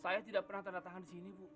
saya tidak pernah tanda tangan di sini bu